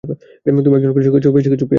তুমি একজন কৃষকের চেয়েও বেশি কিছু, পোয়ারো!